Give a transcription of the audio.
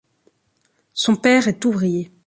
Son père est ouvrier.